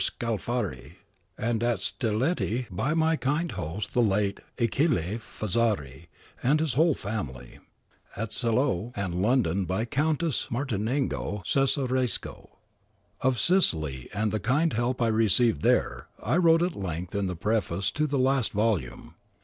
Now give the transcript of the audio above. Scalfari ; and at Staletti by my kind host the late Achillc Fazzari and his whole family ; at Salb and London by the Countess Martinengo Cesaresco. Of Sicily and the kind help I received there, I wrote at length in the preface to the last volume.